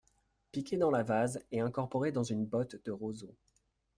Piqué dans la vase et incorporé dans une botte de roseaux.